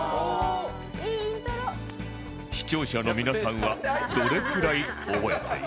視聴者の皆さんはどれくらい覚えていますか？